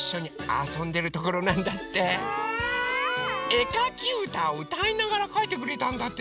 えかきうたをうたいながらかいてくれたんだって！